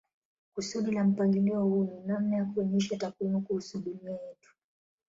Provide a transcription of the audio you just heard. Kusudi la mpangilio huu ni namna ya kuonyesha takwimu kuhusu dunia yetu.